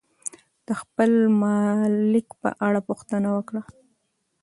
د خپل ملک په اړه پوښتنه وکړه.